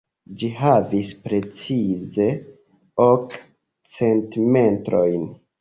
Ĝi havis precize ok centimetrojn!